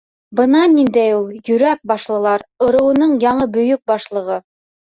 Бына ниндәй ул Йөрәк башлылар ырыуының яңы Бөйөк Башлығы!